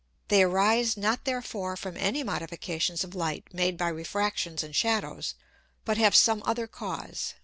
They arise not therefore from any Modifications of Light made by Refractions and Shadows, but have some other Cause.